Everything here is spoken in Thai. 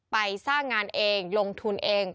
สร้างงานเองลงทุนเอง